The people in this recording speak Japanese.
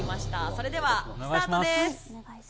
それではスタートです。